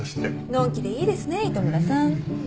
のんきでいいですね糸村さん。